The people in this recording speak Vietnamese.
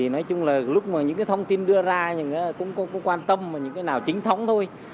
nói chung là lúc mà những cái thông tin đưa ra cũng có quan tâm những cái nào chính thống thôi